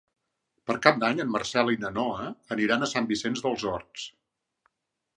Per Cap d'Any en Marcel i na Noa aniran a Sant Vicenç dels Horts.